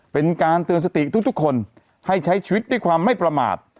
เป็นการเตือนสติทุกคนให้ใช้ชีวิตด้วยความไม่ประมาท